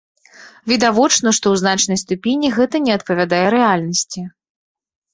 Відавочна, што ў значнай ступені гэта не адпавядае рэальнасці.